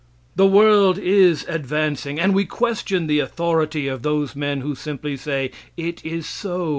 The world is advancing, and we question the authority of those men who simply say "it is so."